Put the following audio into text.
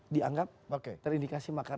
dianggap terindikasi makar